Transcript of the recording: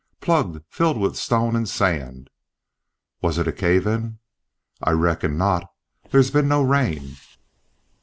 "Plugged, filled with stone and sand." "Was it a cave in?" "I reckon not. There's been no rain."